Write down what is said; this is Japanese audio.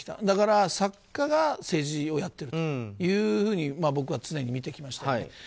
だから、作家が政治をやっているというふうに僕は常に見てきました。